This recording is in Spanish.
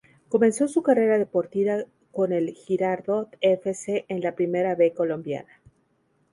Comenzó su carrera deportiva con el Girardot F. C. en la Primera B colombiana.